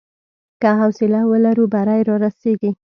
که حوصله ولرو، بری رارسېږي.